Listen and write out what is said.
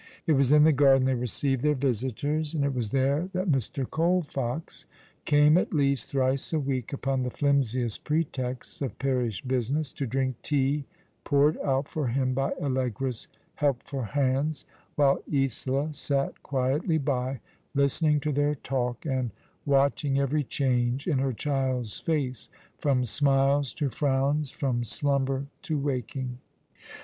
It was in the garden they received their visitors, and it was there that Mr. Colfox came at least thrice a week, upon the flimsiest pretexts of j^arish business, to drink tea poured out for him by Allegra's helpful hands, while Isola sat quietly by, listening to their talk, and watch ing every change in her child's face ; from smiles to frowns, from slumber to waking.